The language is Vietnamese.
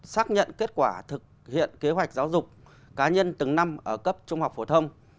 xác nhận kết quả thực hiện kế hoạch giáo dục cá nhân từng năm ở cấp trung học phổ thông